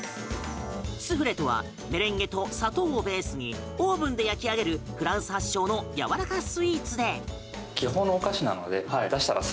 スフレとはメレンゲと砂糖をベースにオーブンで焼き上げるフランス発祥のやわらかスイーツで。